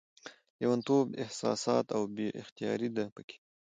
لېونتوب، احساسات او بې اختياري ده پکې